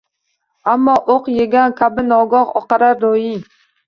Ammo o‘q yegan kabi nogoh oqarar ro‘ying.